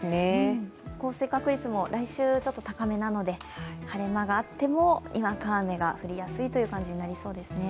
降水確率も来週高めなので晴れ間があっても、にわか雨が降りやすいという感じになりそうですね。